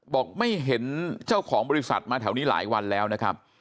บอกไม่เห็นเจ้าของบริษัทมาแถวนี้หลายวันแล้วนะครับ